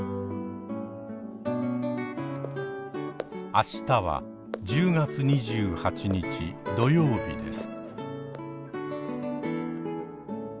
明日は１０月２８日土曜日です。